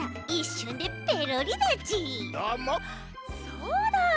そうだ！